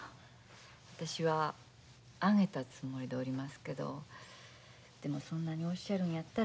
私はあげたつもりでおりますけどでもそんなにおっしゃるんやったらそれでも結構です。